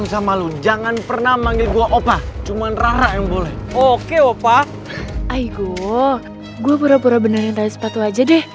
sampai sini aja